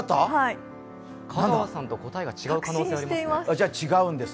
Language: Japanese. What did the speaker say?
香川さんと答えが違う可能性がありますね。